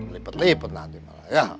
lipet lipet nanti malah ya